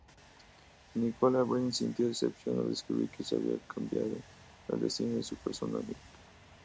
Nicola Bryant sintió decepción al descubrir que habían cambiado el destino de su personaje.